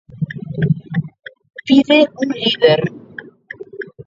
Pide un líder.